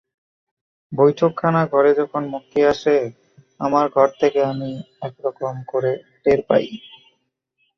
বৈঠকখানা-ঘরে যখন মক্ষী আসে আমার ঘর থেকে আমি একরকম করে টের পাই।